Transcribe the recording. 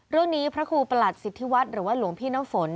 พระครูประหลัดสิทธิวัฒน์หรือว่าหลวงพี่น้ำฝน